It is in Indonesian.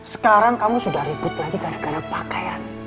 sekarang kamu sudah ribut lagi gara gara pakaian